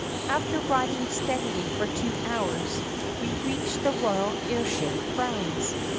"After riding steadily for two hours, we reached the royal air ship grounds.